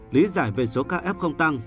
lý giải về số ca f tăng